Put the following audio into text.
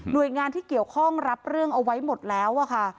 โดยงานที่เกี่ยวข้องรับเรื่องเอาไว้หมดแล้วค่ะ